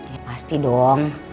ya pasti dong